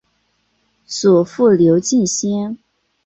祖父刘敬先。